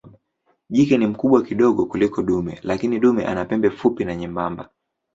Jike ni mkubwa kidogo kuliko dume lakini dume ana pembe fupi na nyembamba.